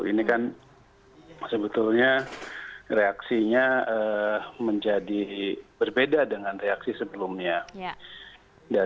ini kan sebetulnya reaksinya menjadi berbeda dengan reaksi sebelumnya